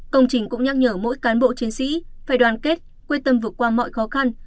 công trình cũng nhắc nhở mỗi cán bộ chiến sĩ phải đoàn kết quyết tâm vượt qua mọi khó khăn